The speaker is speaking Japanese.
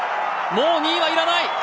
もう２位はいらない。